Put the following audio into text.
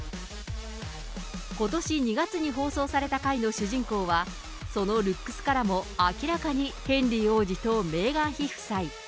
ことし２月に放送された回の主人公は、そのルックスからも、明らかにヘンリー王子とメーガン妃夫妻。